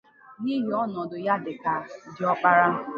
n'ihi ọnọdụ ya dịka diọkpara